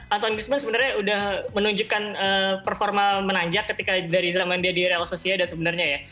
antoine griezmann sebenarnya sudah menunjukkan performa menanjak ketika dari zaman dia di real sociedad sebenarnya ya